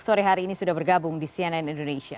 sore hari ini sudah bergabung di cnn indonesia